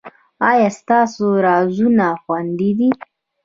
ایا ستاسو رازونه خوندي دي؟